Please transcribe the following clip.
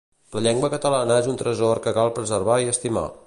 La llengua catalana és un tresor que cal preservar i estimar.